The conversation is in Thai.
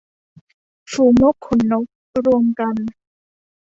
ฝูงนกขนนก - รวมกัน